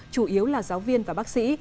chủ yếu là giáo viên và bác sĩ